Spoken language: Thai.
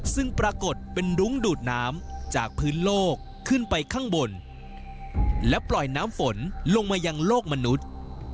ซึ่งปรากฏเป็นรุ้งดูดน้ำจากพื้นโลกขึ้นไปข้างบนและปล่อยน้ำฝนลงมายังโลกมนุษย์